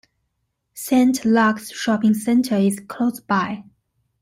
Saint Lukes Shopping Centre is close by.